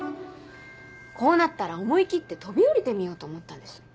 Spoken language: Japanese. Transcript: こうなったら思い切って飛び降りてみようと思ったんです。